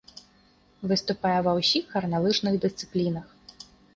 Выступае ва ўсіх гарналыжных дысцыплінах.